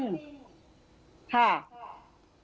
ค่ะ